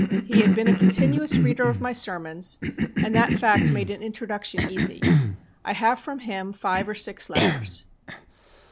He had been a continuous reader of my sermons, and that fact made an introduction easy. I have from him five or six letters.